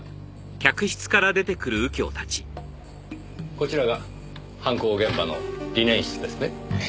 こちらが犯行現場のリネン室ですね？